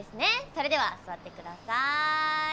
それでは座ってください。